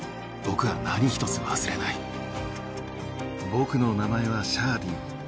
僕の名前はシャーディー。